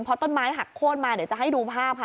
พอต้นไม้หักโค้นมาเดี๋ยวจะให้ดูภาพค่ะ